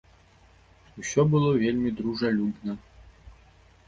Усё было вельмі дружалюбна.